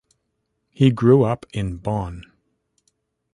He grew up in Bonn.